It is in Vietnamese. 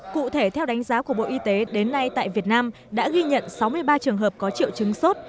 cụ thể theo đánh giá của bộ y tế đến nay tại việt nam đã ghi nhận sáu mươi ba trường hợp có triệu chứng sốt